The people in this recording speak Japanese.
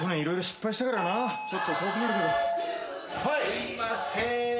すいません。